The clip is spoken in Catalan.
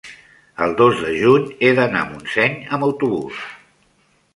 el dos de juny he d'anar a Montseny amb autobús.